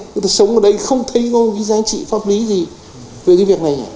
người ta sống ở đây không thấy có cái giá trị pháp lý gì về cái việc này